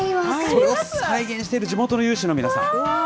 それを再現している地元の有志の皆さん。